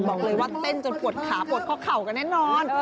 บอกเลยว่าเต้นจนปวดขาปวดข้อเข่ากันแน่นอน